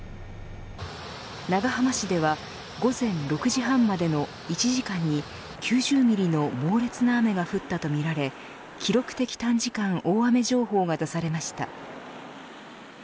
長浜市では、午前６時半までの１時間に９０ミリの猛烈な雨が降ったとみられ記録的短時間大雨情報が出されました。